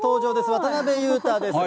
渡辺裕太です。